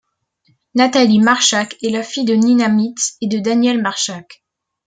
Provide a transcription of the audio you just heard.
Nathalie Marchak est la fille de Nina Mitz et de Daniel Marchac.